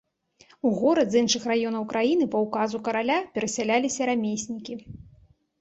У горад з іншых раёнаў краіны па ўказу караля перасяляліся рамеснікі.